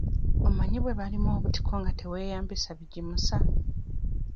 Omanyi bwe balima obutiko nga teweeyambisa bigimusa?